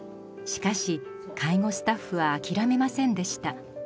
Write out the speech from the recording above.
しかし介護スタッフは諦めませんでした。